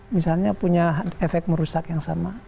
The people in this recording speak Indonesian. misalnya punya efek merusak yang sama